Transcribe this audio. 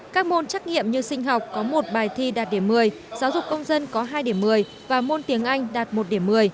các môn trắc nghiệm như sinh học có một bài thi đạt điểm một mươi giáo dục công dân có hai điểm một mươi và môn tiếng anh đạt một điểm một mươi